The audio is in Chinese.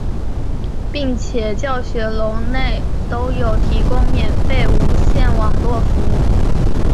并且教学楼内都有提供免费无线网络服务。